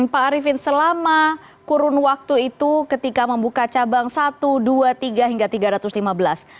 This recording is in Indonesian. pak arifin selama kurun waktu itu ketika membuka cabang satu dua tiga hingga tiga ratus lima belas